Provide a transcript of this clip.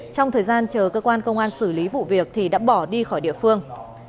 trong thời gian chờ cơ quan công an xử lý vụ việc thì đã bỏ đi khỏi địa phương